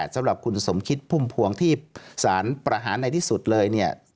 สำหรับคุณสมคิดพุ่มพวงที่สารประหารในที่สุดเลยเนี่ย